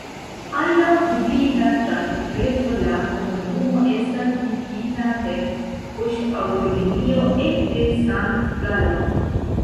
Al la publika trafikreto la komunumo estas ligita per poŝtaŭtolinio ek de Sankt-Galo.